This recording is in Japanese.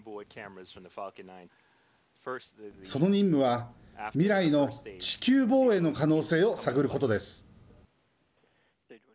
その任務は、未来の地球防衛の可能性を探ることです。